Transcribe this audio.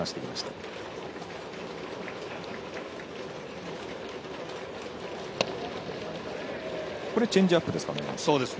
今のチェンジアップですかね。